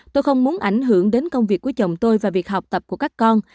tôi không muốn ảnh hưởng đến công việc của chồng tôi và việc học tập của các con